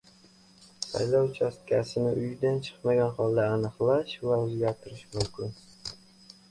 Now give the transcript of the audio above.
Saylov uchastkasini uydan chiqmagan holda aniqlash va o‘zgartirish mumkin